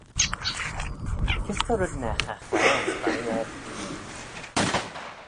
Kys ta reddyn er chaghlaa ayns y valley ayd?